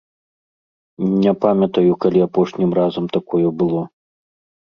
Не памятаю, калі апошнім разам такое было.